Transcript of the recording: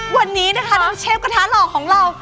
คือวันนี้นะคะน้ำเชฟกระท้าหลอกของเรา